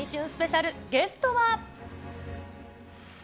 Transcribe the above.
スペシャル、ゲストは。